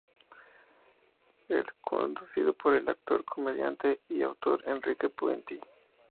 Es conducido por el actor, comediante y autor Enrique Pinti.